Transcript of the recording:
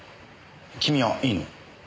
君はいいの？